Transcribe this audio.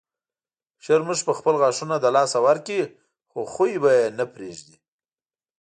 شرمښ به خپل غاښونه له لاسه ورکړي خو خوی به یې نه پرېږدي.